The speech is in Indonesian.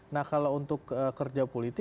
nah kalau untuk kerja politik